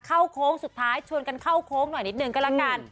โค้งสุดท้ายชวนกันเข้าโค้งหน่อยนิดนึงก็แล้วกัน